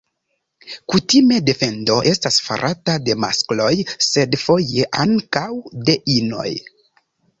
Kutime defendo estas farata de maskloj sed foje ankaŭ de inoj.